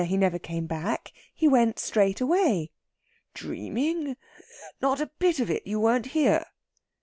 He never came back. He went straight away." "Dreaming! Not a bit of it. You weren't here."